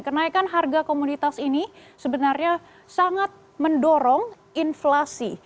kenaikan harga komoditas ini sebenarnya sangat mendorong inflasi